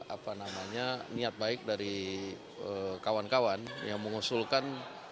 apa namanya niat baik dari kawan kawan yang mengusulkan